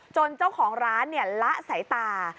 เจ้าของร้านละสายตา